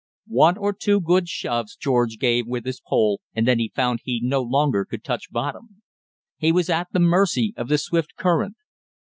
One or two good shoves George gave with his pole, and then found he no longer could touch bottom. He was at the mercy of the swift current.